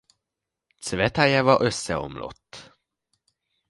Cvetajeva összeomlott.